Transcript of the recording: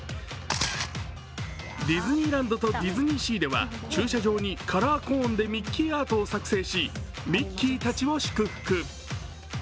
ディズニーランドとディズニーシーでは駐車場にカラーコーンでミッキーアートを作成しミッキーたちも祝福。